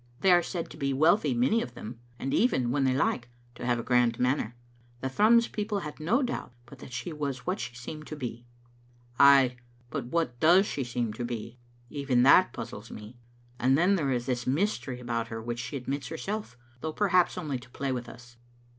They are said to be wealthy, many of them, and even, when they like, to have a grand manner. The Thrums peo ple had no doubt but that she was what she seemed to be." " Ay, but what does she seem to be? Even that puz zles me. And then there is this mystery about her which she admits herself, though perhaps only to play with us."